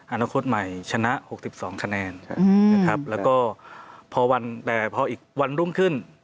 อาณาคตใหม่ชนะ๖๒คะแนนแล้วก็พออีกวันรุ่งขึ้น